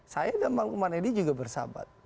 saya dan bang umar edi juga bersahabat